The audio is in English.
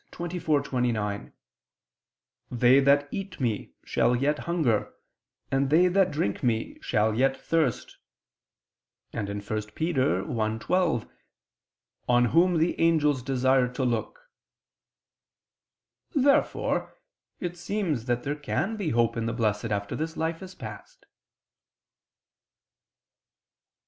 24:29: "They that eat me, shall yet hunger, and they that drink me, shall yet thirst," and 1 Pet. 1:12: "On Whom the angels desire to look." Therefore it seems that there can be hope in the Blessed after this life is past.